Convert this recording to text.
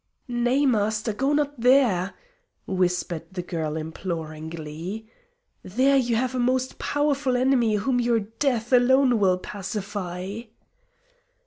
"Nay, Master; go not there!" whispered the girl imploringly. "There you have a most powerful enemy whom your death alone will pacify."